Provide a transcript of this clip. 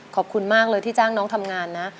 ขอบคุณมากเลยที่จ้างน้องทำงานนะ